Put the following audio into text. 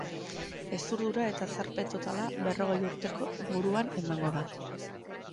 Hezurdura eta ezarpen totala berrogei urte inguruan emango da.